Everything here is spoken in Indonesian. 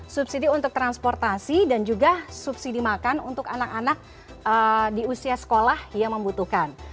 subsidi untuk transportasi dan juga subsidi makan untuk anak anak di usia sekolah yang membutuhkan